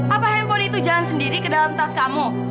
apa handphone itu jalan sendiri ke dalam tas kamu